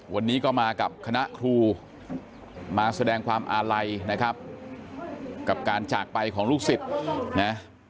วันนี้ก็มากับคณะครูมาแสดงความอาลัยนะครับกับการจากไปของลูกศิษย์นะ